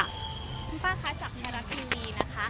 คุณป้าคะจากพระรักษณ์อีวีนะคะ